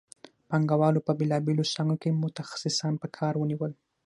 پانګوالو په بېلابېلو څانګو کې متخصصان په کار ونیول